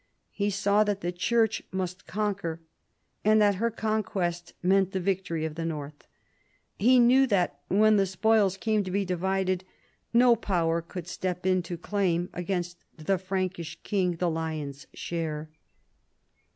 He saw that the Church must conquer, and Uiat her conquest meant the victory of the north. He knew that, when the spoils came to be divided, no power could step in to claim against the Frankish king the lion's share.